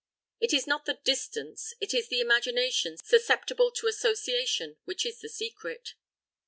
It is not the distance, it is the imagination susceptible to association which is the secret.